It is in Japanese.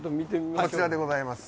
こちらでございます。